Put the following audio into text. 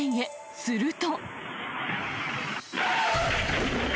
すると。